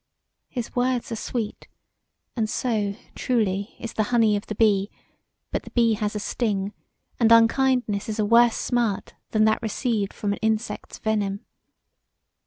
His words are sweet, and so, truly, is the honey of the bee, but the bee has a sting, and unkindness is a worse smart that that received from an insect's venom.